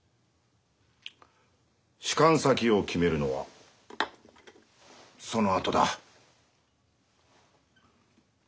仕官先を決めるのはそのあとだ。